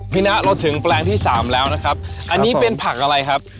นะเราถึงแปลงที่สามแล้วนะครับอันนี้เป็นผักอะไรครับ